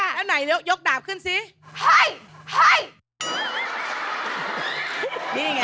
แล้วไหนยกดาบขึ้นซิไพ่